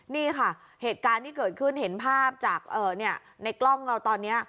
นี่ค่ะเหตุการณ์ที่เกิดขึ้นเห็นภาพจากในกล้องเราตอนนี้